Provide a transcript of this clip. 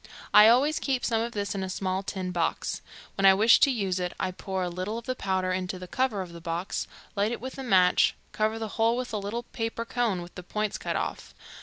I always keep some of this in a small tin box. When I wish to use it I pour a little of the powder into the cover of the box, light it with a match, cover the whole with a little paper cone with the point cut off.